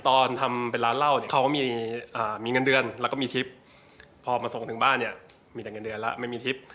ตอนทำเป็นร้านเหล้าเนี่ยเขาก็มีเงินเดือนแล้วก็มีทริปพอมาส่งถึงบ้านเนี่ยมีแต่เงินเดือนแล้วไม่มีทริป